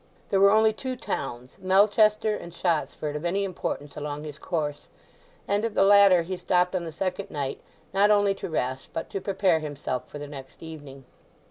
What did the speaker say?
There were only two towns, Melchester and Shottsford, of any importance along his course, and at the latter he stopped on the second night, not only to rest, but to prepare himself for the next evening.